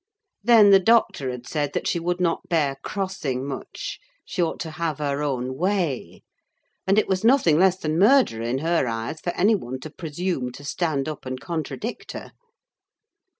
Then the doctor had said that she would not bear crossing much; she ought to have her own way; and it was nothing less than murder in her eyes for any one to presume to stand up and contradict her.